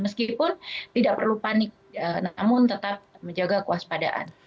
meskipun tidak perlu panik namun tetap menjaga kewaspadaan